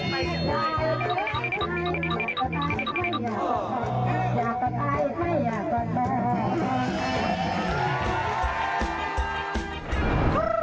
๓บาท